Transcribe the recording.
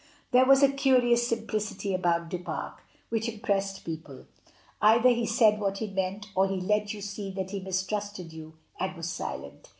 There was a curious simplicity about Du Pare which im ALMSGIVING. 87 pressed people; either he said what he meant, or he let you see that he mistrusted you and was silent.